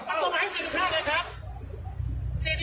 กฎหมาย๔๕เลยครับ